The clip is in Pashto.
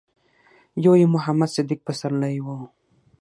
يو يې محمد صديق پسرلی و.